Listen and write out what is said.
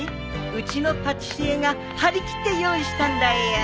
うちのパティシエが張り切って用意したんだよ。